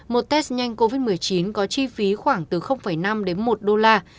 một test nhanh covid một mươi chín có chi phí khoảng từ năm đến một đô la